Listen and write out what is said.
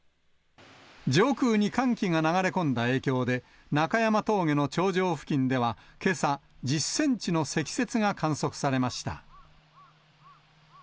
上空に寒気が流れ込んだ影響で、中山峠の頂上付近ではけさ、１０センチの積雪が観測されました。